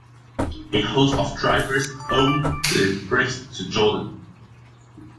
A host of drivers owe their breaks to Jordan.